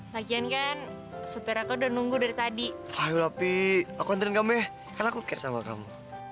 lagian kan supir aku udah nunggu dari tadi ayo api aku anterin kamu ya kan aku kerja sama kamu